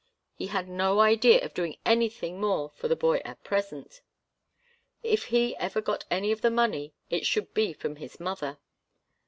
He had no idea of doing anything more for the boy at present. If he ever got any of the money it should be from his mother.